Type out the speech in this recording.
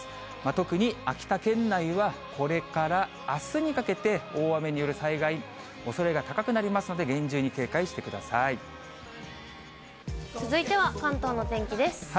特に秋田県内は、これからあすにかけて、大雨による災害のおそれが高くなりますので、厳重に警戒してくだ続いては関東のお天気です。